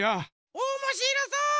おもしろそう！